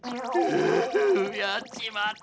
ううやっちまった！